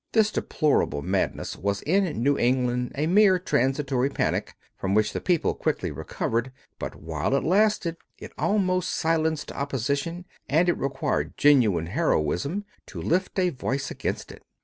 This deplorable madness was in New England a mere transitory panic, from which the people quickly recovered; but while it lasted it almost silenced opposition, and it required genuine heroism to lift a voice against it.